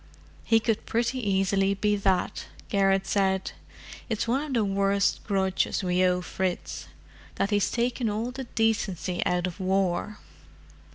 "He could pretty easily be that," Garrett said. "It's one of the worst grudges we owe Fritz—that he's taken all the decency out of war.